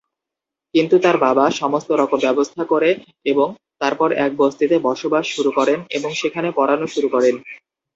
কিন্তু তার বাবা, সমস্ত রকম ব্যবস্থা করে এবং তারপর এক বস্তিতে বসবাস শুরু করেন এবং সেখানে পড়ানো শুরু করেন।